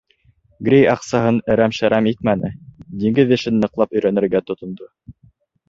Грей аҡсаһын әрәм-шәрәм итмәне, диңгеҙ эшен ныҡлап өйрәнергә тотондо.